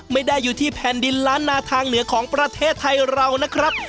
ไม่ได้อยู่ที่แผ่นดินล้านนาทางเหนือของประเทศไทยเรานะครับ